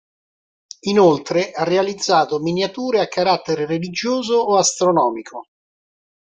Inoltre ha realizzato miniature a carattere religioso o astronomico.